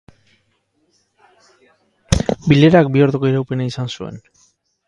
Bilerak bi orduko iraupena izan zuen.